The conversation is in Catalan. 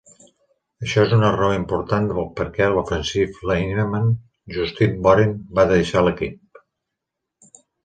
Això és una raó important de perquè l'"offensive lineman" Justin Boren va deixar l'equip.